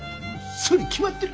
そうに決まってる！